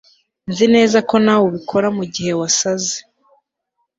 nzi neza ko nawe ubikora mugihe wasaze